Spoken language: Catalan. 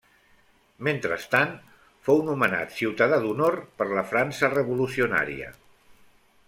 Mentrestant, fou nomenat ciutadà d'honor per la França Revolucionària.